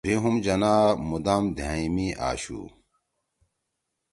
بھی ہُم جناح مُدام دھأئں می آشُو